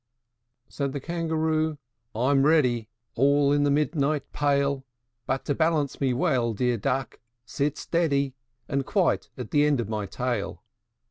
V. Said the Kangaroo, "I'm ready, All in the moonlight pale; But to balance me well, dear Duck, sit steady, And quite at the end of my tail."